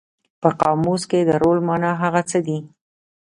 په قاموس کې د رول مانا هغه څه دي.